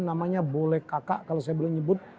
namanya bolekakak kalau saya belum nyebut